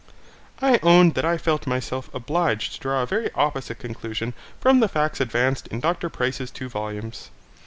I own that I felt myself obliged to draw a very opposite conclusion from the facts advanced in Dr Price's two volumes.